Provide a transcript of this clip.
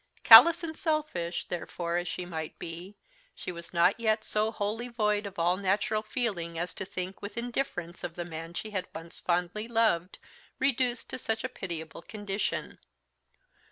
Callous and selfish, therefore, as she might be, she was not yet so wholly void of all natural feeling as to think with indifference of the man she had once fondly loved reduced to such a pitiable condition.